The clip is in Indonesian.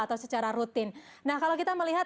atau secara rutin nah kalau kita melihat